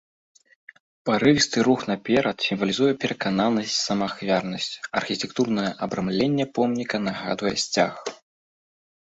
Парывісты рух наперад сімвалізуе перакананасць, самаахвярнасць, архітэктурнае абрамленне помніка нагадвае сцяг.